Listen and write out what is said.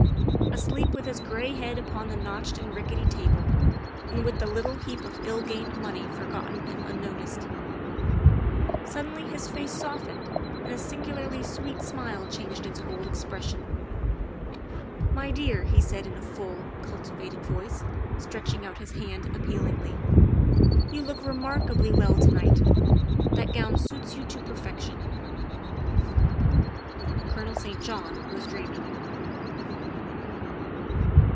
Asleep with his gray head upon the notched and rickety table, and with the little heap of ill gained money forgotten and unnoticed. Suddenly his face softened and a singularly sweet smile changed its whole expres sion. " My dear," he said in a full, cultivated voice, stretch ing out his hand appealingly, " you look remarkably well to night. That gown suits you to perfection." Colonel St. John was dreaming.